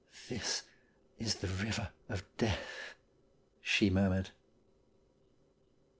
' This is the Eiver of Death,' she murmured.